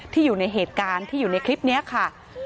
อยู่ในเหตุการณ์ที่อยู่ในคลิปนี้ค่ะ